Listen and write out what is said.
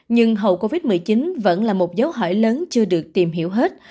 nhưng hậu covid một mươi chín vẫn là một dấu hỏi lớn chưa được tìm hiểu hết